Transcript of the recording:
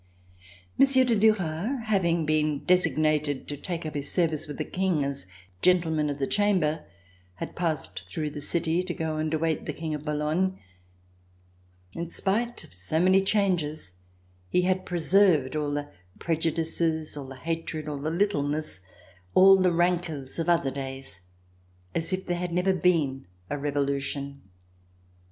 Monsieur de Duras, having been designated to take up his service with the King as Gentleman of the Chamber, had passed through the city to go and await the King at Boulogne. In spite of so many changes, he had preserved all the prejudices, all the hatred, all the littleness, all the rancors of other days, as if there had never been a Revolution.